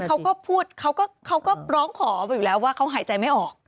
เขาก็พูดเขาก็ร้องขอไปอยู่แล้วว่าเขาหายใจไม่ออก